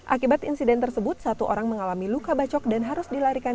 akibat insiden tersebut satu orang mengalami luka bacok dan harus dilarikan